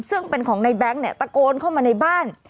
ซึ่งเป็นของในแบงค์เนี่ยตะโกนเข้ามาในบ้าน